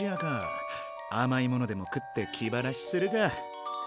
あまいものでも食って気晴らしするか。